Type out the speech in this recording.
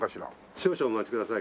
少々お待ちください。